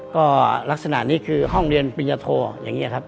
ก็ลักษณะนี้คือห้องเรียนปินยโธ